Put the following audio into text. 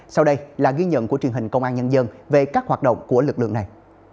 sau đây là ghi nhận của truyền hình công an nhân dân về các hoạt động của lực lượng này